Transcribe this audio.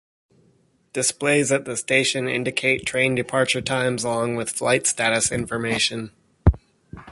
Displays at the station indicate train departure times along with flight status information.